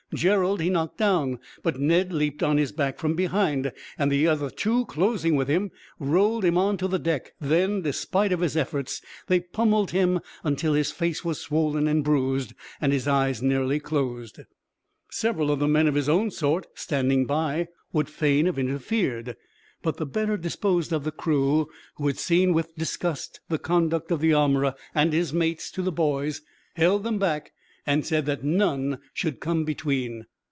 Gerald he knocked down, but Ned leaped on his back from behind, and the other two, closing with him, rolled him on to the deck; then, despite of his efforts, they pummeled him until his face was swollen and bruised, and his eyes nearly closed. Some of the men of his own sort, standing by, would fain have interfered; but the better disposed of the crew, who had seen, with disgust, the conduct of the armorer and his mates to the boys, held them back, and said that none should come between.